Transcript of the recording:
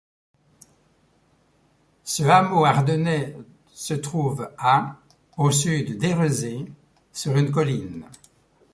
Ce hameau ardennais se trouve à au sud d'Érezée sur une colline.